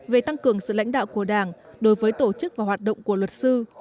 về tăng cường sự lãnh đạo của đảng đối với tổ chức và hoạt động của luật sư